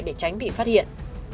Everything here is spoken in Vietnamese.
để tránh bị phát hiện